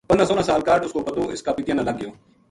پندرہ سوہلاں سال کاہڈ اس کو پتو اس کا پِتیا نا لگ گیو